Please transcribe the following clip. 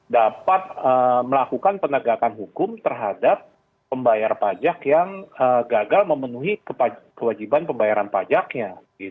dapat melakukan penegakan hukum terhadap pembayar pajak yang gagal memenuhi kewajiban pembayaran pajaknya